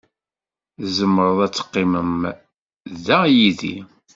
Tzemrem ad teqqimem da yid-i.